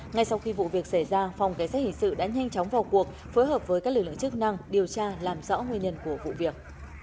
ngay sau khi vụ việc xảy ra phòng kế sát hình sự đã nhanh chóng vào cuộc phối hợp với các lực lượng chức năng điều tra làm rõ nguyên nhân của vụ việc